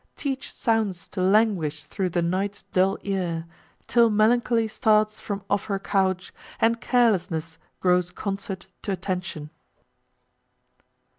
Teach sounds to languish through the night's dull ear Till Melancholy starts from off her couch, And Carelessness grows concert to attention!